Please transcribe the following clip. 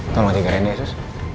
tolong jagain ya sus